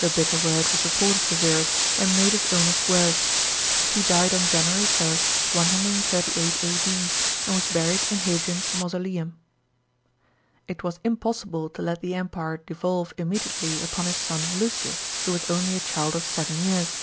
The bitter word was reported to Verus, and made his illness worse. He died on January 1, 138 A.D., and was buried in Hadrian's mausoleum. § 29. It was impossible to let the Empire de olve immediately Upon his son Lucius, who was only a child of seven years.